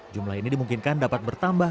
jumlah ini dimungkinkan dapat bertambah